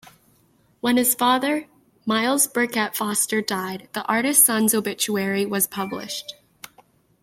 When his father, Myles Birket Foster died, the artist son's obituary was published.